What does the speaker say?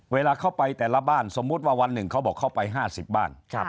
เวลาเขาไปแต่ละบ้านสมมุติว่าวันหนึ่งเขาบอกเขาไป๕๐บ้าน